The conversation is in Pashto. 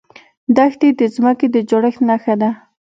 دښتې د ځمکې د جوړښت نښه ده.